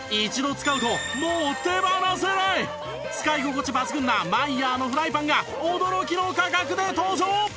使い心地抜群なマイヤーのフライパンが驚きの価格で登場！